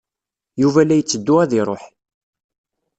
Yuba la yettedu ad iṛuḥ.